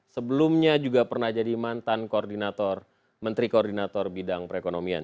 sebelumnya juga pernah jadi mantan koordinator menteri koordinator bidang perekonomian